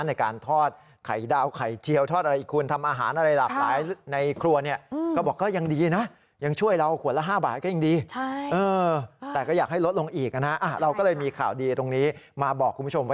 ในการทอดไข่ดาวไข่เจียวทอดอะไรอีกคุณ